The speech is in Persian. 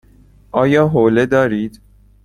آیا حوله دارد؟